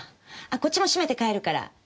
こっちも閉めて帰るから。